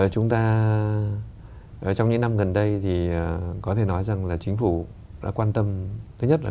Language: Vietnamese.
chúng ta trong những năm gần đây thì có thể nói rằng là chính phủ đã quan tâm